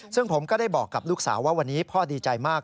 ซึ่งผมก็ได้บอกกับลูกสาวว่าวันนี้พ่อดีใจมาก